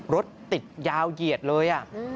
รถติดยาวเหยียดเลย